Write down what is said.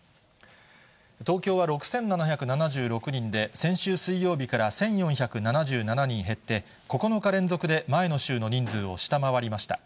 東京は６７７６人で、先週水曜日から１４７７人減って、９日連続で前の週の人数を下回りました。